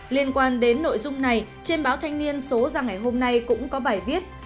liên quan đến nội dung này trên báo thanh niên số ra ngày hôm nay cũng có bài viết